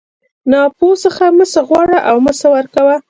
د ناپوه څخه مه څه غواړه او مه څه ورکوه.